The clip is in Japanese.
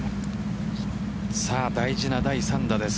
大事な第３打です。